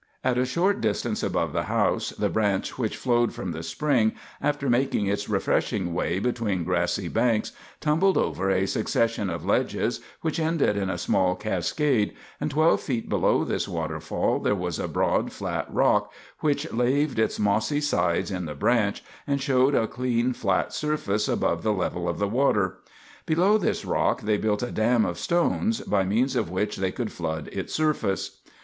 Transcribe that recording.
At a short distance above the house, the branch which flowed from the spring, after making its refreshing way between grassy banks, tumbled over a succession of ledges which ended in a small cascade, and twelve feet below this waterfall there was a broad, flat rock which laved its mossy sides in the branch, and showed a clean, flat surface above the level of the water. Below this rock they built a dam of stones, by means of which they could flood its surface.